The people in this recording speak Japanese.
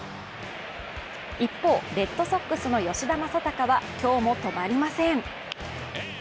一方、レッドソックスの吉田正尚は今日も止まりません。